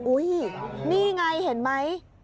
อุ้ยนี่ไงเห็นไหม